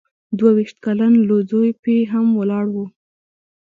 دوه ویشت کلن لو ځو پي هم ولاړ و.